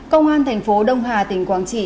công an tp đông hà tỉnh quảng trị